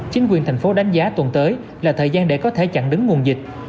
chính quyền thành phố đánh giá tuần tới là thời gian để có thể chặn đứng nguồn dịch